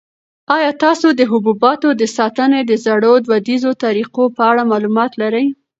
آیا تاسو د حبوباتو د ساتنې د زړو دودیزو طریقو په اړه معلومات لرئ؟